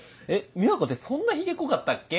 美和子ってそんなヒゲ濃かったっけ？